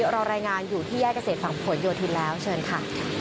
เรารายงานอยู่ที่แยกเกษตรฝั่งผลโยธินแล้วเชิญค่ะ